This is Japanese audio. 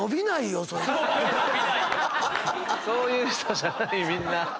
そういう人じゃないみんな。